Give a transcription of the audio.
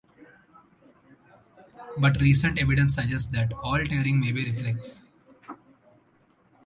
But recent evidence suggests that all tearing may be reflex.